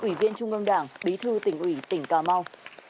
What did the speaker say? ủy viên trung ương đảng bí thư tỉnh ủy tỉnh cà mau